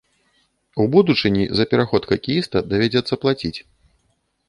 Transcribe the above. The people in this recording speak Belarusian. У будучыні за пераход хакеіста давядзецца плаціць.